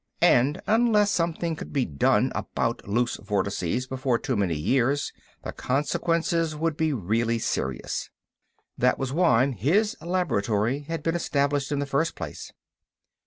And unless something could be done about loose vortices before too many years, the consequences would be really serious. That was why his laboratory had been established in the first place.